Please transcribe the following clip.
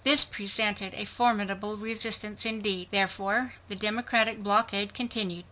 This presented a formidable resistance, indeed. Therefore the Democratic blockade continued.